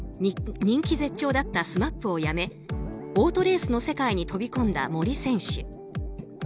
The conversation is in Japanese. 人気絶頂だったＳＭＡＰを辞めオートレースの世界に飛び込んだ森選手。